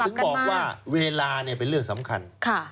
ถึงบอกว่าเวลาเป็นเรื่องสำคัญ